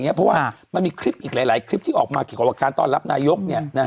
เพราะว่ามันมีคลิปอีกหลายคลิปที่ออกมาเกี่ยวกับการต้อนรับนายก